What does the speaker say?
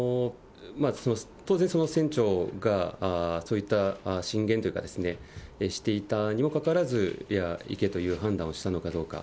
当然、その船長がそういった進言というか、していたにもかかわらず、いや、行けという判断をしたのかどうか。